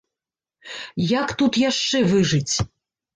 Як тут яшчэ выжыць?